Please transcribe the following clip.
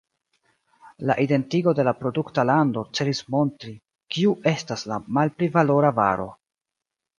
La identigo de la produkta lando celis montri kiu estas la malpli valora varo.